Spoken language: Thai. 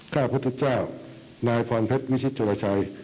ข้าพระพุทธเจ้านายพรเพชรวิชชุระชัย